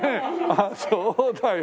あっそうだよ。